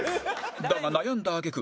だが悩んだ揚げ句